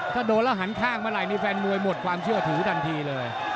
ถ้าโดนแล้วหันข้างเมื่อไหร่นี่แฟนมวยหมดความเชื่อถือทันทีเลย